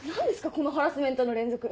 このハラスメントの連続。